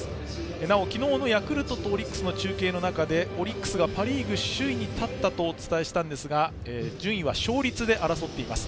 なお、昨日のヤクルトとオリックスの中継の中でオリックスがパ・リーグ首位に立ったとお伝えしたんですが順位は勝率で争っています。